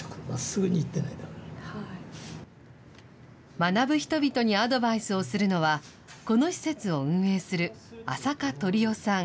学ぶ人々にアドバイスするのはこの施設を運営する安積登利夫さん